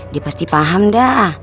dia pasti paham dah